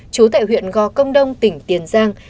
chú tại huyện go công đông tỉnh tiền giang